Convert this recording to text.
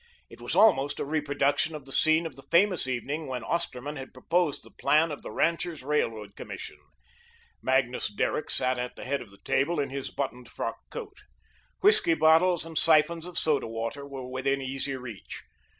It was almost a reproduction of the scene of the famous evening when Osterman had proposed the plan of the Ranchers' Railroad Commission. Magnus Derrick sat at the head of the table, in his buttoned frock coat. Whiskey bottles and siphons of soda water were within easy reach.